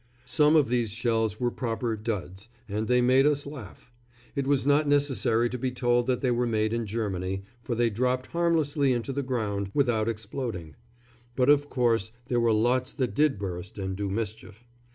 Some of these shells were proper "duds," and they made us laugh. It was not necessary to be told that they were made in Germany, for they dropped harmlessly into the ground, without exploding; but of course there were lots that did burst and do mischief.